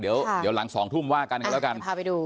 เดี๋ยวหลัง๒ทุ่มว่ากันกันแล้วกันพาไปดู